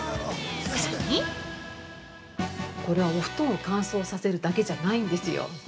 さらに◆これは、お布団を乾燥させるだけじゃないんですよ。